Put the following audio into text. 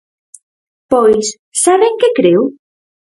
Pois ¿saben que creo?